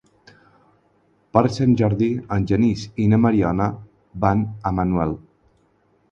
Per Sant Jordi en Genís i na Mariona van a Manuel.